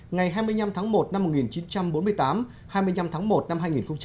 ngày hai mươi năm tháng một năm một nghìn chín trăm bốn mươi tám hai mươi năm tháng một năm hai nghìn một mươi chín